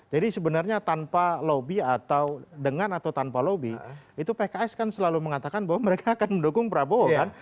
jadi sebenarnya tanpa lobby atau dengan atau tanpa lobby itu pks kan selalu mengatakan bahwa mereka akan mendukung prabowo kan